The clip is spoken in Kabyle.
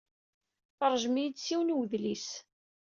Teṛjem-iyi-d s yiwen n udlis.